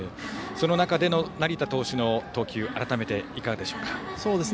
その中での成田投手の投球改めていかがでしょうか。